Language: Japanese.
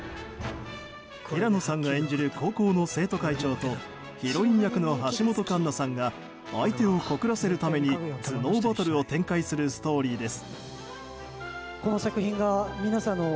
平野さんが演じる高校の生徒会長とヒロイン役の橋本環奈さんが相手を告らせるために頭脳バトルを展開するストーリーです。